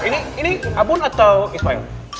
ini abun atau ismail